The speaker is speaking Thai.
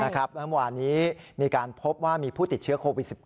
แล้วเมื่อวานนี้มีการพบว่ามีผู้ติดเชื้อโควิด๑๙